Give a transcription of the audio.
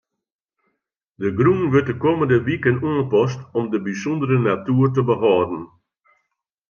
De grûn wurdt de kommende wiken oanpast om de bysûndere natoer te behâlden.